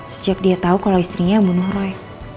sejak dia tau kalau istrinya yang bunuh roy